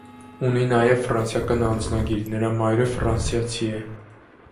Ունի նաև ֆրանսիական անձնագիր, նրա մայրը ֆրանսիացի է։